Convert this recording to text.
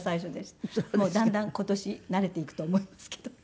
もうだんだん今年慣れていくと思いますけど。